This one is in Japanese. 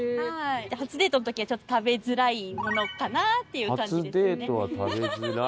初デートの時はちょっと食べづらいものかなっていう感じですね。